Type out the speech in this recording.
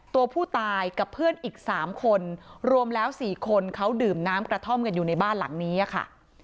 ตัวผู้ตายกับเพื่อนอีก๓คนรวมแล้ว๔คนเขาดื่มน้ำกระท่อมกันอยู่ในบ้านหลังนี้ค่ะ